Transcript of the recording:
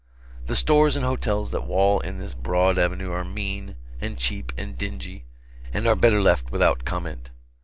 The stores and hotels that wall in this broad avenue are mean, and cheap, and dingy, and are better left without comment.